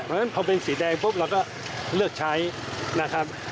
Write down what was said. เพราะฉะนั้นพอเป็นสีแดงปุ๊บเราก็เลือกใช้นะครับ